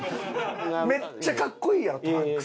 めっちゃ格好いいやろトランクス。